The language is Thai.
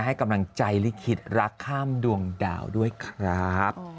ให้กำลังใจลิขิตรักข้ามดวงดาวด้วยครับ